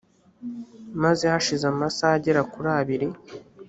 maze hashize amasaha agera kuri abiri